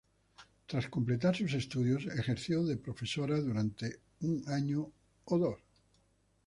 Tras completar sus estudios, ejerció de profesora durante un año o dos.